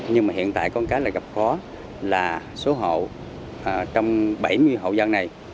nhưng mà hiện tại có một cái là gặp khó là số hộ trong bảy mươi hộ dân này